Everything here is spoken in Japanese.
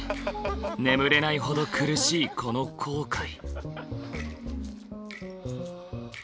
眠れないほど苦しいこの後悔。